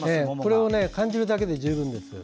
これを感じるだけで十分です。